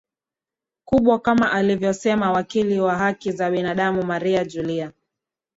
kubwa kama alivyosema wakili wa haki za binadamu Maria Julia